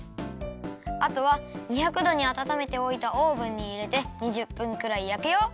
あとは２００どにあたためておいたオーブンにいれて２０分くらい焼くよ！